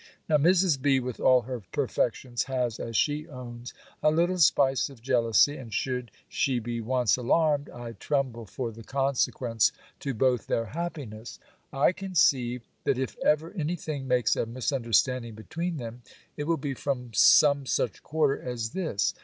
Now Mrs. B., with all her perfections, has, as she owns, a little spice of jealousy; and should she be once alarmed, I tremble for the consequence to both their happiness. I conceive, that if ever anything makes a misunderstanding between them, it will be from some such quarter as this.